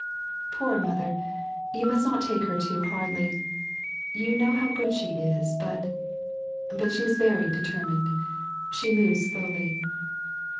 "Poor mother, you must not take her too hardly. You know how good she is, but but she is very determined; she moves slowly."